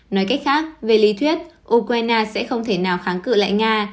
nói cách khác về lý thuyết ukraine sẽ không thể nào kháng cự lại nga